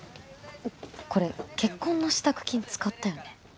これ結婚の支度金使ったよね